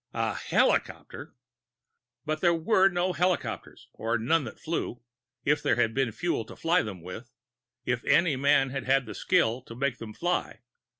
A helicopter! But there were no helicopters, or none that flew if there had been fuel to fly them with if any man had had the skill to make them fly.